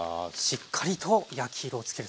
しっかりと焼き色をつけると。